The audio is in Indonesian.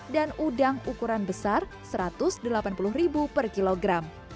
dan udang ukuran besar rp satu ratus delapan puluh per kilogram